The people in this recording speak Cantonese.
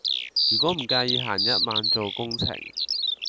如果唔介意閒日晚做工程